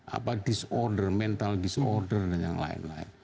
apa disorder mental disorder dan yang lain lain